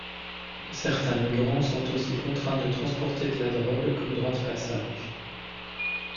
Certains migrants sont aussi contraints de transporter de la drogue comme droit de passage.